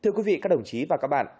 thưa quý vị các đồng chí và các bạn